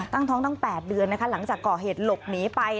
ตั้งท้องตั้ง๘เดือนนะคะหลังจากก่อเหตุหลบหนีไป